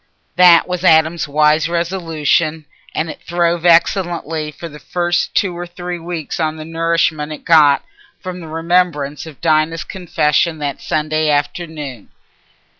That was Adam's wise resolution, and it throve excellently for the first two or three weeks on the nourishment it got from the remembrance of Dinah's confession that Sunday afternoon.